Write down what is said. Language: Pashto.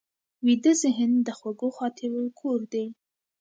ویده ذهن د خوږو خاطرو کور دی